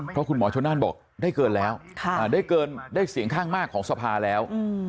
เพราะคุณหมอชนนั่นบอกได้เกินแล้วได้เกินได้เสียงข้างมากของสภาแล้ว